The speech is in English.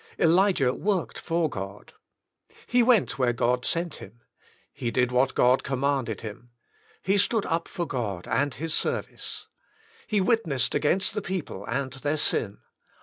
Elijah Worked for God. He went where God sent him. He did what 1 68 The Inner Chamber God commanded him. He stood up for God and his service. He witnessed against the people and their sin.